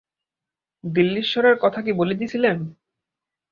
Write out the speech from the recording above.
দিল্লীশ্বরের কথা কি বলিতেছিলে?